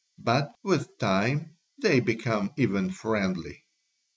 But with time they become even friendly."